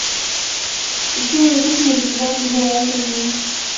Уке, нигуш мый тетла тудым ом колто.